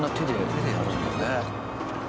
手でやるんだね。